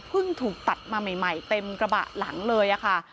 ถูกตัดมาใหม่เต็มกระบะหลังเลยค่ะ